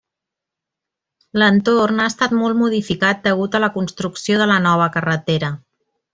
L'entorn ha estat molt modificat degut a la construcció de la nova carretera.